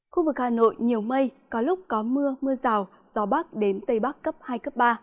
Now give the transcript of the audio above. khu vực hà nội nhiều mây có lúc có mưa mưa rào gió bắc đến tây bắc cấp hai cấp ba